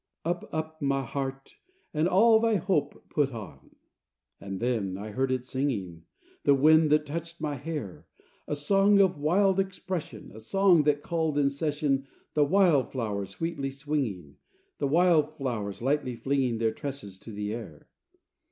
Up, up, my heart, and all thy hope put on. IV And then I heard it singing, The wind that touched my hair, A song of wild expression, A song that called in session The wild flowers sweetly swinging, The wild flowers lightly flinging Their tresses to the air.